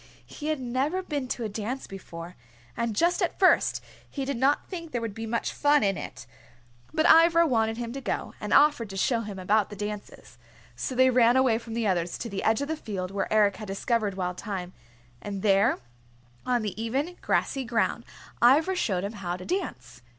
He had never been to a dance before, and just at first he did not think there would be much fun in it. But Ivra wanted him to go, and offered to show him about the dances. So they ran away from the others to the edge of the field where Eric had discovered Wild Thyme, and there on the even, grassy ground Ivra showed him how to dance.